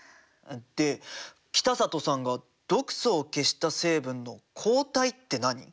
で北里さんが毒素を消した成分の「抗体」って何？